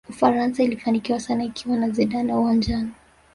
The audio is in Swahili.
ufaransa ilifanikiwa sana ikiwa na zidane uwanjani